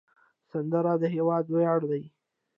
سندره د هیواد ویاړ دی